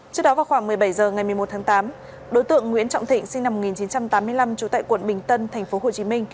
trước đó vào khoảng một mươi bảy h ngày một mươi một tháng tám đối tượng nguyễn trọng thịnh sinh năm một nghìn chín trăm tám mươi năm trú tại quận bình tân tp hcm